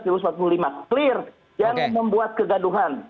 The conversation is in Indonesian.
yang membuat keganduhan